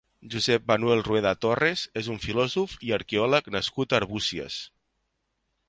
Josep Manuel Rueda Torres és un filòsof i arqueòleg nascut a Arbúcies.